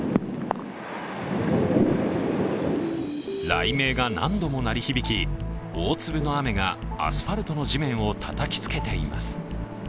雷鳴が何度も鳴り響き、大粒の雨がアスファルトの地面をたたきつけています。